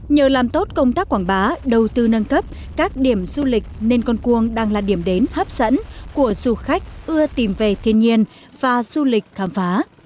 nhờ làm tốt công tác quảng bá đầu tư nâng cấp các điểm du lịch nên con cuông đang là điểm đến hấp dẫn của du khách ưa tìm về thiên nhiên và du lịch khám phá